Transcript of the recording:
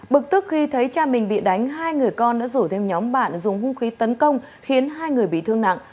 bực tức khi thấy cha mình bị đánh hai người con đã rủ thêm nhóm bạn dùng hung khí tấn công khiến hai người bị thương nặng